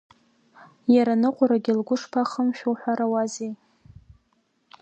Иара аныҟәарагьы лгәы шԥахымшәои уҳәарауазеи!